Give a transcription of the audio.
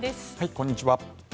こんにちは。